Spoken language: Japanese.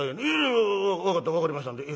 いや分かった分かりましたんで。